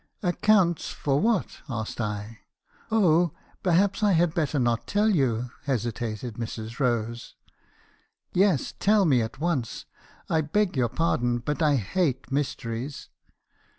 " 'Accounts for what?' asked I. "'Oh, perhaps I had better not tell you,' hesitated Mrs. Rose. "'Yes, tell me at once. I beg your pardon, but I hate mysteries.'